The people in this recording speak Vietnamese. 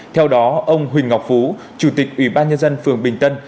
theo đó ông huỳnh ngọc phú chủ tịch ủy ban nhân dân phường bình tân